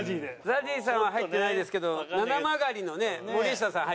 ＺＡＺＹさんは入ってないですけどななまがりの森下さん入って。